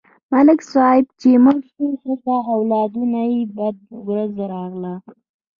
ملک صاحب چې مړ شو، ښځه او اولادونه ته بده ورځ راغله.